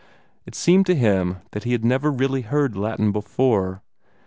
It seemed to him that he had never really heard Latin before.